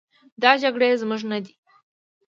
دا جګړې زموږ نه دي.